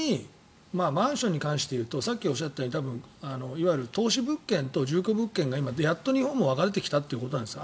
マンションに関して言うとさっきおっしゃったように多分いわゆる投資物件と住居物件が今、やっと日本も分かれてきたということなんです。